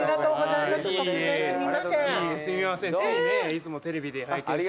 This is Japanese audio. いつもテレビで拝見して。